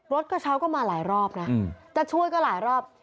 กระเช้าก็มาหลายรอบนะจะช่วยก็หลายรอบ